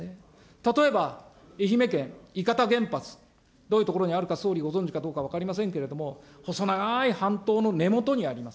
例えば愛媛県いかた原発、どういうところにあるか総理、ご存じかどうか分かりませんけれども、細長い半島の根元にあります。